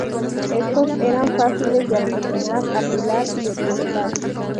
Estos eran fáciles de almacenar, apilar y etiquetar.